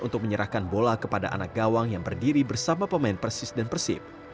untuk menyerahkan bola kepada anak gawang yang berdiri bersama pemain persis dan persib